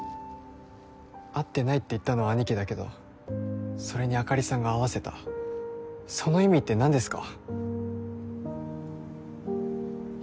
会ってないって言ったのは兄貴だけどそれにあかりさんが合わせたその意味って何ですか？